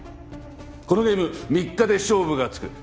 このゲーム３日で勝負がつく。